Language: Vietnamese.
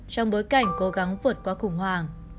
trong bối cảnh cố gắng vượt qua khủng hoảng